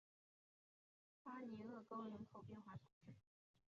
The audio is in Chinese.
巴尼厄沟人口变化图示